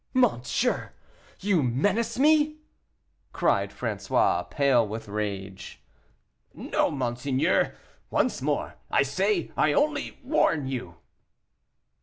"Monsieur, you menace me!" cried François, pale with rage. "No, monseigneur; once more, I say, I only warn you."